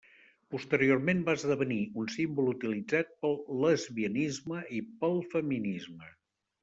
Posteriorment va esdevenir un símbol utilitzat pel lesbianisme i pel feminisme.